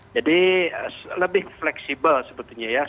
jadi lebih fleksibel sebetulnya ya